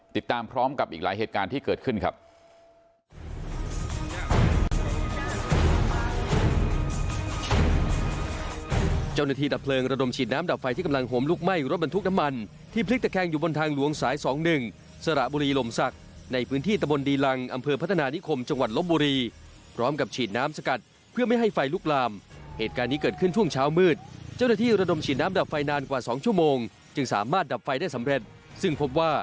ติดตามพร้อมกับอีกหลายเหตุการณ์ที่เกิดขึ้นครับ